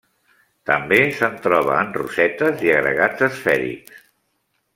També se'n troba en rosetes i agregats esfèrics.